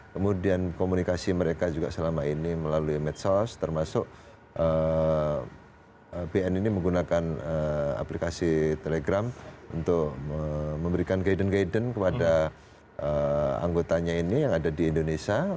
kemudian komunikasi mereka juga selama ini melalui medsos termasuk bn ini menggunakan aplikasi telegram untuk memberikan guidan guidance kepada anggotanya ini yang ada di indonesia